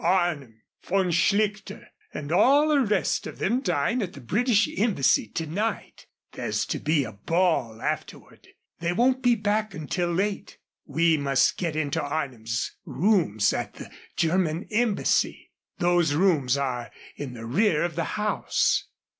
Arnim, Von Schlichter and all the rest of them dine at the British embassy to night. There's to be a ball afterward. They won't be back until late. We must get into Arnim's rooms at the German embassy. Those rooms are in the rear of the house.